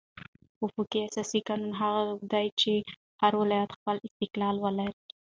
وفاقي اساسي قانون هغه دئ، چي هر ولایت خپل استقلال ولري.